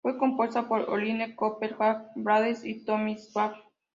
Fue compuesta por Alice Cooper, Jack Blades y Tommy Shaw.